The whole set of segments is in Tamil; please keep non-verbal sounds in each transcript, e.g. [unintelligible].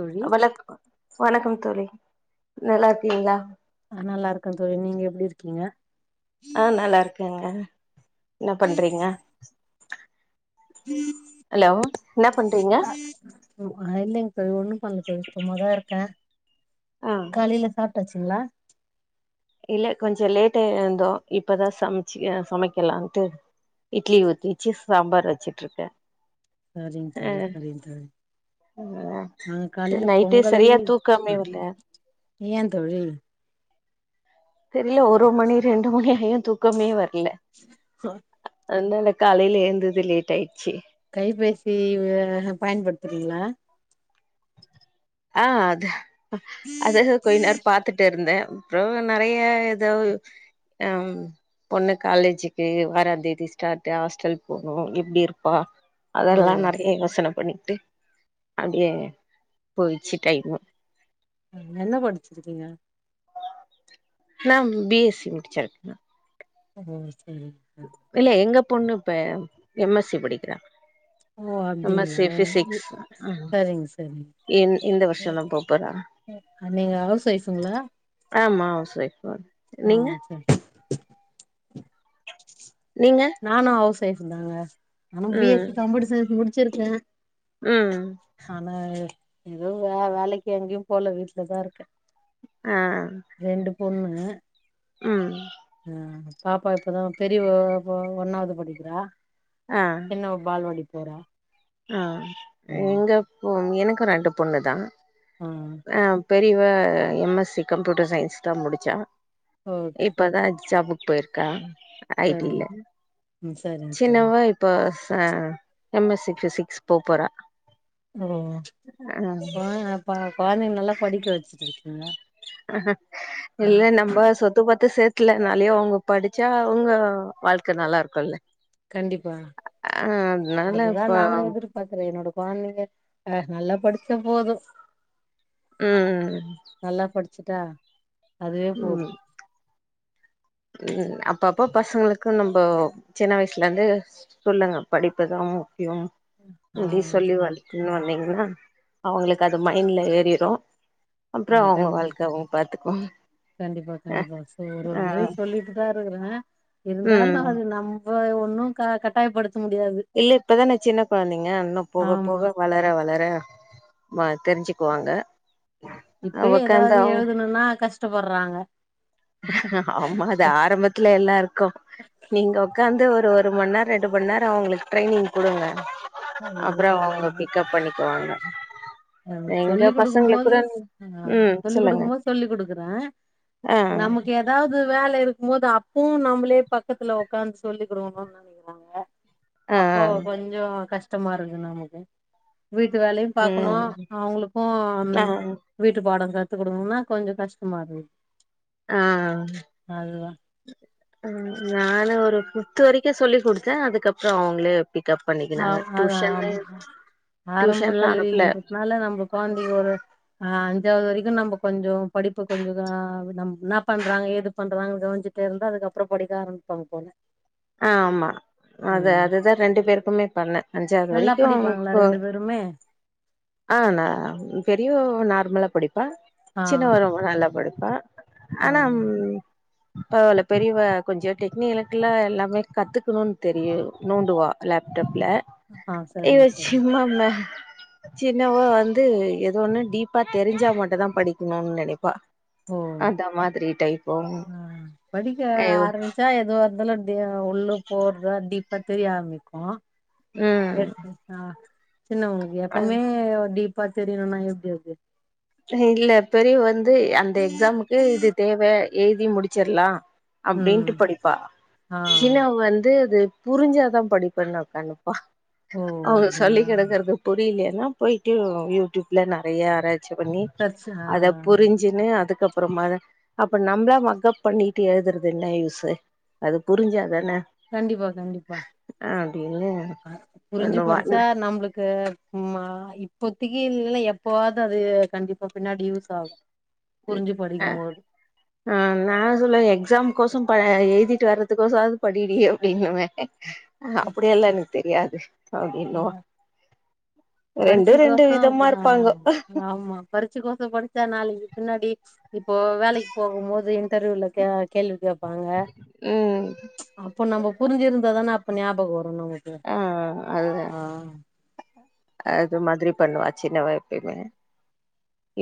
தோழி வணக் வணக்கம் தோழி நல்லா இருக்கீங்களா நா நல்லா இருக்க தோழி நீங்க எப்டி இருக்கீங்க ஆ நல்லா இருக்கேங்க என்ன பண்றீங்க ஹலோ என்ன பண்றீங்க இல்லைங்க தோழி ஒண்ணு பண்ணல தோழி சும்மாதா இருக்கேன் ஆ காலையில சாப் ட்டச்சுங்களா இல்ல கொஞ்சம் லேட்ட ஆ எழுந்தோ இப்பதான் சமைச்சு சமைக்கலாம்ட்டு இட்லி ஊத்திச்சு சாம்பார் வச்சிட்டு இருக்கே சரிங்க தோழி சரிங்க தோழி ஆ நா காலையில நைட்டு பொங்கல் சரியா தூக்கமே வரல ஏ தோழி தெரில ஒரு மணி ரெண்டு மணி ஆயும் தூக்கமே வரல அதால காலையில் எழுந்ததே லேட் ஆகி கைபேசி பயன்படுத்துறீங்களா ஆ அது அத கொய் நரு பாத்துட்டு இருந்தே அப்றம் நறைய ஏதோ ம் பொண்ணு காலேஜுக்கு வாரந்தேதி ஸ்டார்ட் ஹாஸ்டல் போகணும் எப்படி இருப்பா ஓ அதெல்லா நறைய யோசனை பண்ணிட்டு அப்டியே போய்ச்சு டைம்மு என்ன படிச்சிருக்கீங்க நான் பிஎஸ்சி முடிச்சி இருக்கா ம் இல்ல எங்க பொண்ணு இப்ப எம்எஸ்சி படிக்கிறா ஓ எம் எஸ் அப்டிங்களா சி சரிங்க சரிங்க என் இந்த வருஷந்தா போப்போறா எ நீங்க ஹவுஸ் ஒய்ஃபுங்களா ஆமா ஹவுஸ் வொய்ஃபு ஆ சரி நீங்க நானு ஹவுஸ் ஒயஃப் தாங்க ஆனா பி எஸ் ம் சி கம்ப்யூட்டர் சயின்ஸ் முடிச்சிருக்க ம் ஆனா எதுவு வே-வேலைக்கு எங்கயு போல வீட்லதா இருக்க ஆ பொண்ணு ம் ஆ பாப்பா இப்பதா பெரியவ வ ஒண்ணாவது படிக்கிறா ஆ சின்னவ பால்வாடி போறா ஆ ம் எங்க பொ எனக்கு ரெண்டு பொண்ணு தா ஆ ஆ பெரியவ M S C computer science தா முடிச்சா ஓகே இப்பதா ஜாபு போய்ருக்கா ஐ சரிங்க டில ம் சரிங்க சரிங்க சின்னவ இப்ப ச எம் எஸ் சி போபோறா ஓ கொழந்த கொழந்தைங்கள நல்லா படிக்க வச்சுட்டு இருக்கீங்க அ இல்ல ம் நம்ப சொத்து பத்து சேத் வைக்கல நாலயோ அவங்க படிச்சா அவுங்க வாழ்க்க நல்லா இருக்குல்ல கண்டிப்பா ஆ அதனால அதுதா இப்ப நானு எதிர்பாக்குறே என்னோட கொழந்தைங்க அ நல்லா படிச்சா போது ம் ச்சுட்டா அதுவே போது ம் ம் அப்பப்ப பசங்களுக்கு நம்போ சின்ன வயசுலிந்து சொல்லுங்க படிப்புதா யும் ஆ இப்டி சொல்லி ஆ வளத்துனு வந்தீங்ன்னா அவுங்களுக்கது மைண்ட்ல ஏறிரு அப்றோ ம் அவுங்க கண் வாழ்க்க அவுங்க பாத்துக்வாங்க அஹ் அஹ் ட்டு தா இருக்குற இருந்தாலு அது நம்ப ஒன்னு க கட்டாயப்படுத் இல்ல இப்பதான சின்ன கொழந்தைங்க இன்னு போக ஆமா போக வளர வளர வா தெரிஞ்சுக்குவாங்க இப்பயே உக்காந்து ஏதாவது அவங்க எழுதணுன்னா கஷ்டப்படுறாங்க ஆமா அது ஆரம்பத்துல எல்லா இருக்கு நீங்க உக்காந்து ஒரு ஒரு மண் நேரோ ரெண்டு மண் நேரோ அவுங்களுக்கு ட்ரைனிங் குடுங்க அப்பறோ அவுங்க பிக்கப் பண்ணிக்குவாங்க அஹ் சொல்லி எங்க பசங்கள குடுக்கும்மோது கூட அஹ் ம் சொல்லி சொல்லுங்க குடுக்கும்மோ சொல்லி குடுக்குற ஆ நமக்கு எதாவது வேல இருக்கும்மோது அப்பவு நம்மளே பக்கத்துல உக்காந்து சொல்லி கொடுக்கணுனு நெனைக்கிறாங்க ஆ அப்போ கொஞ்சோ கஷ்டமா இருக்கு நமக்கு வீட்டு வேலையு பாக்கணு ம் அவுங்களுக்கு ஆ ம் வீட்டு பாடோ கத் த்து குடுக்கனுனா கொஞ்சோ கஷ்டமா இருகுது ஆஹ் ம் நானு ஒரு முத்து வரைக்கு சொல்லி குடுத்தே அதுக்கப்பறோ அவுங்களே பிக்கப் ஆ பண்ணிக்கினாங்க அதா டியூஷன்னு ஆமா ஆரம்ப டியூஷன்லா அனுப்புல கல்வின்லுறதுனால நம்ப கொழ்ந்தியொரு ஆஹ் அஞ்சாவது வரைக்கு நம்ப கொஞ்சோ படிப்பு கொஞ்ச தா நம் என்ன பண்றாங்க ஏது பண்றாங்கன்னு கவனிச்சுட்டு இருந்தா அதுக்கப்றோ படிக்க ஆரம்பிப்பாங்க போல ஆஹ் ஆமா அது ம் அதுதா ரெண்டு பேருக்குமே பண்ண அஞ்சாவது நல்லா வரைக்கு அ படிப்பாங்களா கோ ரெண்டு பேருமே ஆஹ் நா பெரியோ நா மலா படிப்பா ஆ சின்னவ ரொம்ப நல்லா படிப்பா ஆ ஆனாம் பவல பெரியவ கொஞ்ச டெக்னிலக்கல எல்லா மே கத்துக்குணுன் தெரியு நோண்டுவா லேப்டப் ல ஆ இவ சரிங்க சரிங்க சிம்மாம சின்னவ வந்து எதோண்ணு டீப்பா தெரிஞ்சா மட்டுந்தா படிக்கணுன் நெனிப்பா ஓ ஆஹ் படிக்க இவ ஆரம்பிச்சா எதுவாருந்தாலு து உள்ள போறதா டீப்பா தெரிய ஆரம்பிக்கு [inaudible] ம் சின்னவங்களுக்கு அ எப்பமே ஒ டீப்பா தெரியணுனா எப்டி அது இ இல்ல பெரியவ வந்து அந்த எக்ஸாமுக்கு இது தேவ எழுதி முடிச்சர்லா அப்டின்ட்டு ம் படிப்பா ஆ சின்னவ வந்து அது புரிஞ்சாதா படிப்பேனு உக்கானுப்பா ஓ அவுங்க சொல்லி அப்டிங்களா குடுக்கறது புரில னா போய்ட்டு யூடியூப்ல நறைய ஆராய்ச்சி பண்ணி சர்ச் அத ஆ புரிஞ்சின்னு அதுக்கப் ப்றமாத அப்ப நம்பலா மக்கப் பண்ணிட்டு எழுதுறது என்ன யூஸ்சு அது புரிஞ்சாதான கண்டிப்பா கண்டிப்பா அப்டின்னு அ புரிஞ்சு பண்ணுவா படிச்சா நம்ளுக் கு மா இப்போத்திக்கு இல்லன எப்பவாது அது கண்டிப்பா பின்னாடி யூஸ் ஆகு புரிஞ்சு படிக்கும்போது அ நா சொல்ல எக்ஸாம் கோசுங் ப எழுதிட்டு வர்றதுக்கோசாது படி டி அப்புடின்னுவே அப்புடியெல்லா எனக்கு தெரியாது அப்டின்னுவா பரிச்சி கோசு ஆஹ் ஆமா பரிட்ச்சு கோச படிச்சா நாளைக் பின்னாடி இப்போ வேலைக் போகும்மோது இன்டர்வியூல கே கேள்வி கேப்பாங்க ம் அப்போ நம்ம புரிஞ்சிருந்த தான அப்ப ஞ்யாபகோ [unintelligible] ஆ அது ஆஹ் அது மாதிரி பண்ணுவா சின்னவா எப்பயுமே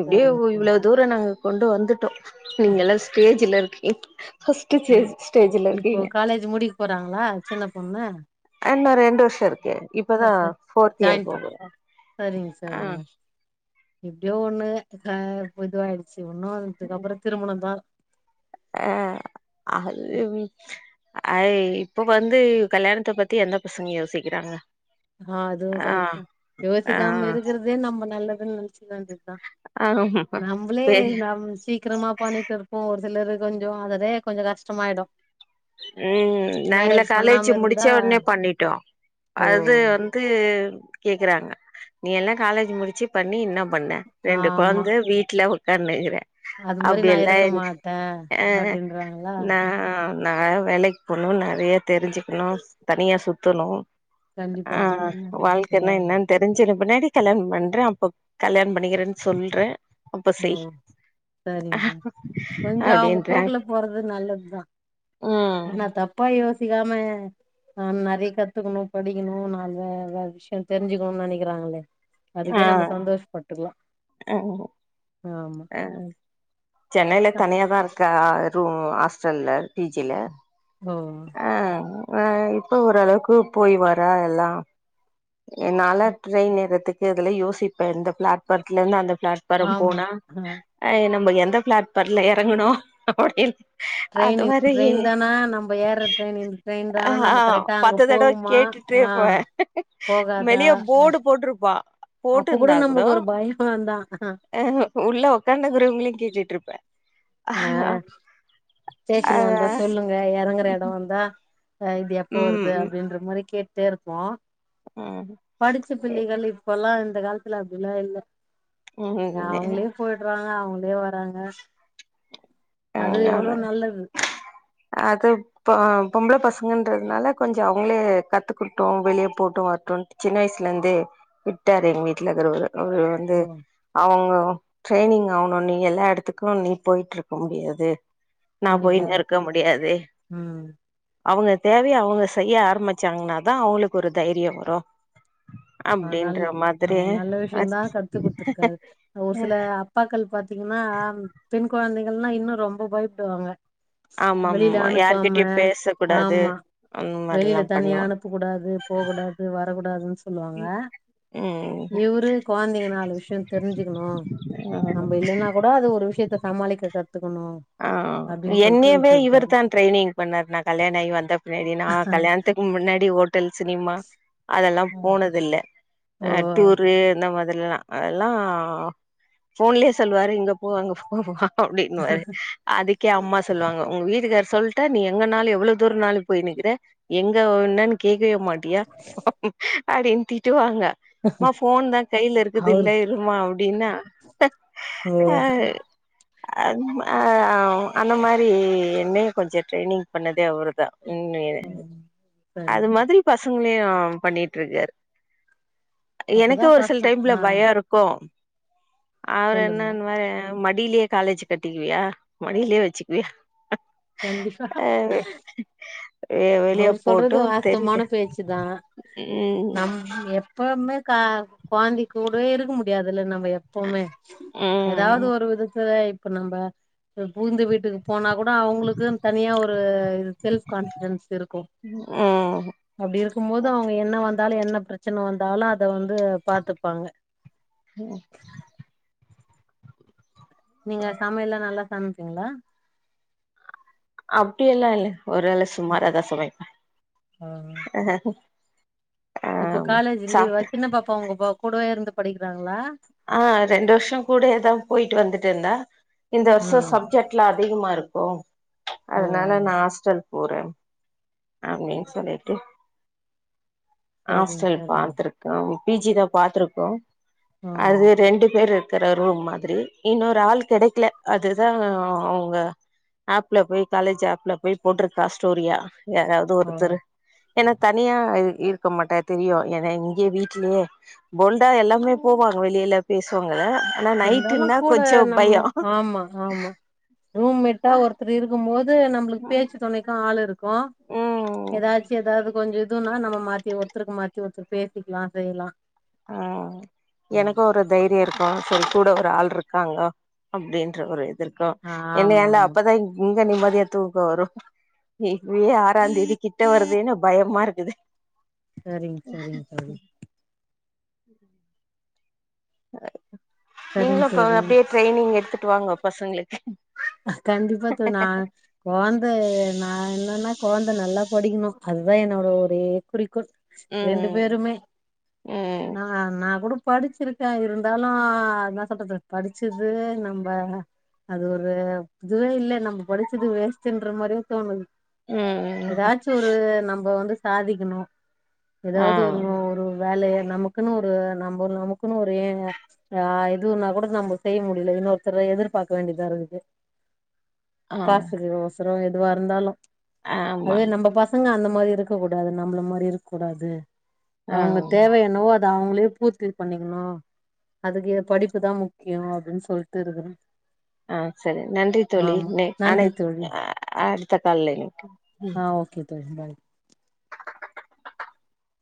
இப்டியே சரிங்க சார் இவ்ளோ தூரொ நாங்க கொண்டு வந்துட்டோ நீங்க எல்லா ஸ்டேஜுல இருக்கீங்க ஃபர்ஸ்ட் ஸ்டேஜ் ஓக் ஸ்டேஜ்ல இப்போ இருக்கீங்க காலேஜ் முடிக்க போறாங்களா சின்ன பொண்ணு இன்னு ரெண்டு வருஷ இருக்கே ஆ, இப்பதா சரி. ஃபோர்த் இயர் ஜாயின் போக பண் போற சரிங்க ஆ சரிங்க எப்டியோ ஒன்னு ஹா பொதுவாயிடுச்சு ஒன்னு இதுக்குப்பறொ திருமணந்தா அ அதுவ் ஐ இப்ப வந்து கல்யாணத்த பத்தி எந்த பசங்க யோசிக்கிறாங்க. ஆ அதுவு ஆ கரெக்ட்தா ஆ யோசிக்காம இருக்கறதே நம்ம நல்லதுன்னு நெனச் கிற வேண்டிதா ஆமா நம்மளே பெரிய நம்ம சீக்கிரமா பண்ணிட்டுருப்போ ஒரு சிலர் கொஞ்சொ அதலே கொஞ்சொ கஷ்டமாயிடு ம் நாங்கள்லா மேரேஜ் காலேஜு பண்ணாம இருந்தா முடிச்சோனே பண்ணிட்டோ ஓ அது வந் து கேக்குறாங்க நீ எல்லா காலேஜ் முடிச்சு பண்ணி இன்ன பண்ண ரெண்டு ஆமா கொழந்த வீட்டுல உக்காந்துருக்றே அது மாரி நா அப்டியல்ல இருக்க இல் மாட்டே அ அ அப்டின்றாங்களா நா நா வேலைக்கு போணு நெறைய தெரிஞ்சுக்கணு தனியா சுத்தணு கண்டிப்பா ஆ என்ன வாழ்க்கனா சரி. என்னனு தெரிஞ்சற பின்னாடி கல்யாணொ பண்றே அப்பப் கல்யாண பண்ணிக்கறேன்னு சொல்றே அப்ப ஓ செய் சரிங்க கொஞ்சொ அவங்க அப்டின்றாங்க போக்குல போறது நல்லதுதா ம் ஆனா தப்பா யோசிக்காம ஆ நெறைய கத்துக்கணு படிக்கணு நாலு வெ வெ விஷ்யொ தெரிஞ்சுக்கணு நெனைக்கிறாங்களே ஆ அதுக்கே நம்ம சந்தோஷப்பட்டுக்கலா ஆமா அ சென்னைல தனியாதா இருக்க ரூம் ஹாஸ்டல்ல டி ஜி ல ஓ ஆ ஆ இப்ப ஓரளவுக்கு போய் வரா எல்லா என்னால ட்ரெயின் ஏறத்துக்கு இதுலா யோசிப்பே எந்த பிளாட்ஃபாரத்துல இருந்து அந்த பிளாட்ஃபாரம் ஆமா போனா ஆ அ நம்ம எந்த பிளாட்ஃபார்ல எறங்கணு அப்புடின்னு ட்ரெயின் [inaudible] ட்ரெயின் தானா நம்ப ஏற ட்ரெயின் இந்த ட்ரெயின் தானா நம்மொ கரெக்டா அங்க போவோமா [unintelligible] வெளியே போடு போட்டுருக் அப்போ கூட நம்மளுக்கு ஒரு பயொ ந்தா அஹ உள்ள உக்காந்துக்ரவங்களையு கேட்டுட்டுருப்ப ஆ ஸ்டேஷன் வந்தா சொல்லுங்க எறங்குற எடோ வந்தா அ இது எப்போ வருது ம் அப்படின்ற மாரி கேட்டுட்டே இருப்போ ம் படிச்ச பிள்ளைகள் இப்பல்லா இந்த காலத்துல அப்படிலா இல்ல ய ம் அவங்களே போயிடறாங்க அவங்களே வராங்க அது ம் எவ்ளோ நல்லது அது ப்பொ பொம்பள பசங்கன்றதுனால கொஞ்சொ அவங்களே கத்துக்குட்டோ வெளியே போட்டு வரட்டு ஒன் சின்ன வயசுல இருந்து விட்டாரு எங்க வீட்டுல இருக்கறவர் அவர் வந்து ஓ அவங்க ட்ரைனிங் ஆவணு நீ எல்லா எடத்துக்கு நீ போயிட்டுருக்க முடியாது. நா கண்டிப்பா போயின்னுருக்க முடியாது. ம் அவங்க தேவைய அவங்க செய்ய ஆரம்பிச்சாங்கன்னாதா அவங்களுக்கு ஒரு தைரியோ வரு ஆ நல் அப்டின்ற ஆ மாதிரி நல்ல விஷயந்தா கத்து குடுத்துருக்காரு ஒரு சில அப்பாக்கள் பாத் தீங்கன்னா பெண் குழந்தைகள்னா இன்னு ரொம்ப பயப்படுவாங்க. வெளில ஆமாமா அனுப்பாம யார்கிட்டயு பேச கூடாது ஆமா அந்த வெளில மாரில்லா தனியா பண்ணுவா அனுப்ப கூடாது போகூடாது வரக்கூடாதுன்னு சொல்லுவாங்க. ம் இவரு கொழந்தைங்க நாலு விஷயொ தெரிஞ்சுக்கணு ம் நம்ப இல்லன்னா கூட அது ஒரு விஷயத்த சமாளிக்க கத் ஆ ம் என்னயவே இவர்தா ட்ரைனிங் பண்ணாரு நா கல்யாணாகி வந்த பின்னாடி நா கல்யாணத்துக்கு முன்னாடி ஓ ஓட்டல் சினிமா அதெல்லா போனதில்ல ஓ ஆ டூர் இந்த மா தில்லா அதெல்லா ஃபோன்லயே சொல்லுவாரு இங்க போ அங்க போ அப்படின்னுவாரு அதுக்கே அம்மா சொல்லுவாங்க உங்க வீட்டுக்காரு சொல்ட்டா நீ எங்கனாலு எவ்ளோ தூரனாலு போய் நிக்கிற எங்க என்னு கேக்கவே மாட்டியா அப்படின்னு திட்டு வாங்க அம்மா போன் தான் கையில இருக்குது அவரு இல்ல இருமா அப்படின்னா ஓ ஆ [unintelligible] அ் அந்த மாரி என்னயு கொஞ்ச ட்ரைனிங் பண்ணதே அவருதா ம் சரி. மாதிரி [unintelligible] பண்ணிட்டு இருக்காரு அப்பதா எனக்கு ஒரு சில பசங்க டைம்ல ஆ பயம் இருக்கு அவரு சொல்லுங்க என்னன்னு வாரு மடியிலேயே காலேஜ் கட்டிக்குவியா மடியிலேயே வச்சுக்குவியா கண்டிப்பா. ஆ வெளிய அவர் சொல்றது போட்டு வாஸ்தமான தெரியட்டு பேச்சு தான் ம் நம் எப்ப எப்பவுமே கா குழந்தை கூடவே இருக்க முடியாதுல நம் ம எப்பவுமே ஏதாவது ம் ஒரு விதத்துல இப்ப நம்ம புகந்து வீட்டுக்கு போனா கூட அவங்களுக்கு தனியா ஒரு இ செல்ப் கான் டன்ஸ் இருக்கு ம் அப்டி இருக்கும் போது அவங்க என்ன வந்தாலும் என்ன பிரச்சன வந்தாலும் அ அத வந்து பாத்துப்பாங்க நீங்க சமைய எல்லாம் நல்லா சமைப்பீங்களா அப்படிய எல்லாம் இல்ல ஒரு வேள சுமாராதான் சமைப்பே ஆ ஆ இப்ப காலேஜ் லீவா சாப்ட்ற சின்ன பாப்பா உங்க கூடவே இருந்து படிக்கிறாங்களா ஆ ரெண்டு வருஷோ கூடயே தா போயிட்டு வந்துட்டு இருந்தா இந்த வருஷம் ம் சப்ஜெக்ட்லா அதிகமா இருக்கும் ஓ அதனால நான் ஆஸ்டல் போற அப்டின்னு சொல்லிட்டு நாங்க எழுந்த லேட்டு சரிங்க ஹாஸ்டல் சரிங்க பாத்துருக்கோ பிஜி தான் பாத்துருக்கோ ஓ அது ரெண்டு பேரு இருக்கிற ரூம் மாதிரி இன்னொரு ஆள் கிடைக்கல அதுதான் அவங்க ஆப்ல போய் காலேஜ் ஆப்ல போய் போட்ருக்கா ஸ்டோரியா யாராவது ஓ ஒருத்தரூ ஏன்னா தனியா இருக்க மாட்டா தெரியும் ஏன்ன இங்கய வீட்லயே போல்டா எல்லாமே போவாங்க வெளியில பேசுவாங்க ஆனா இருந்தாலு நைட்டுன்னா கூட கொஞ்சோ நம் பயோ ஆமா ஆமா ரூம் மெட்டா ஒருத்தரு இருக்கும் போது நம்மளுக்கு பேச்சு தொணைக்கும் ஆள்ருக்கு ருக்கும் ம் யெதாச்சும் யேதாவது கொஞ்சம் யிதுன்னா நம்ம மாத்தி ஒருத்தருக்கு மாத்தி ஒருத்தரு பேசிக்கலா செய்யலா ஆ ம் யெனக்கு ஒரு தைரியருக்கு சரி கூட ஒரு ஆள்ருக்காங்க அப்டின்ற ஒரு யிதுருக்கு ஆ யென்ன ஆமா அந்த ஆமா அப்பதான் நிம்மதியா தூக்க வரும் யி ஆறாந்தேதி கிட்ட வருதேன்னு பயமாருக்கு எது செரிங்க சரிங்க தோழி [inaudible] சரிங்க நீங்களும் இப்ப தோழி அப்டியே ட்ரைனிங் எடுத்துட்டு வாங்க பசங்களுக்கு கண்டிப்பா தோழி நா குழந்த நான் என்னன்னா குழந்த நல்லா படிக்கணு அதுதான் என்னோட ஒரே குறிக் கோள் ரெண்டு ம் பேருமே ம் நான் நா கூட படிச்சிருக்கே இருந்தாலு அதான் சொல்றது படிச்சது நம்ப அது ஒரு இதுவேயில்ல நம்பா படிச்சது வேஸ்ட்ன்ற மாரியும் தோணுது ம் எதாச்சும் ஒரு நம்பவந்து சாதிக்கணும் ஆ எதாவது ஒரு ஒரு வேலய நமக்குன்னு ஒரு நம்ப நமக்குன்னு ஒரு யே ஆ யிதுன்னா கூட நம்ப செய்ய முடியல யின்னொருத்தர் எதிர்பார்க்க வேண்டியதாருக்குது ஆ காசுக்கு அவசரம் எதுவாருந்தாலு ஆமா அதுவே நம்ப பசங்க அந்த மாரிருக்கக்கூடாது நம்பள மாதிரிருக்கக்கூடாது ஆ அவங்க தேவை யென்னவோ அது அவங்க அவங்களே பூர்த்தி பண்ணிக்கணும் அதுக்கு படிப்புதான் முக்கியம் அப்டின்னு சொல்ட்டுருக்கிறே ஆ சரி நன்றி தோழி நி அனை நன்றி தோழி அடுத்த கால்ல யினைக்கு ஆ ஓகே தோழி பாய்